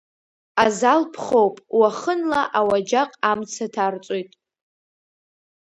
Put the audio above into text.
Азал ԥхоуп, уахынла ауаџьаҟ амца ҭарҵоит…